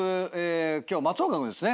今日松岡君ですね。